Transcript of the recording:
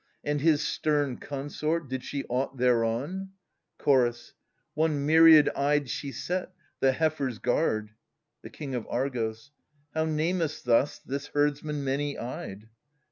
And his stern consort, did she aught thereon ? Chorus. One myriad eyed she set, the heifer's guard. The King of Argos. How namest thou this herdsman many eyed